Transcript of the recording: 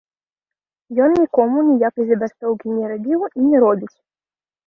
Ён нікому ніякай забастоўкі не рабіў і не робіць.